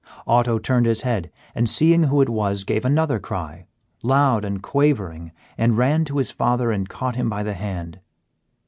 Otto turned his head, and seeing who it was, gave another cry, loud and quavering, and ran to his father and caught him by the hand.